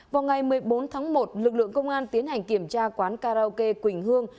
vào ngày một mươi bốn tháng một lực lượng công an tiến hành kiểm tra quán karaoke quỳnh hương